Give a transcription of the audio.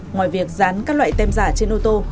ngoài việc dán các loại tem giả trên ô tô